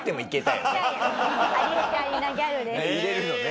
入れるのね。